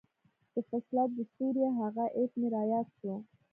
د فصلت د سورې هغه ايت مې راياد سو.